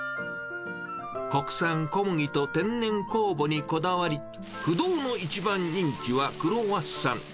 国産小麦と天然酵母にこだわり、不動の一番人気はクロワッサン。